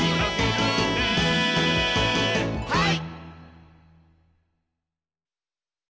はい！